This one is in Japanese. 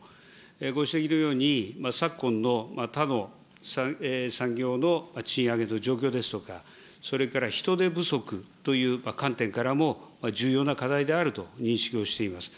ご指摘のように、昨今の他の産業の賃上げの状況ですとか、それから人手不足という観点からも、重要な課題であると認識をしております。